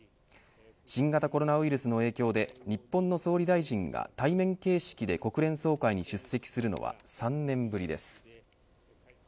新型コロナウイルスの影響で日本の総理大臣が対面形式で国連総会に出席するのは３年ぶりです。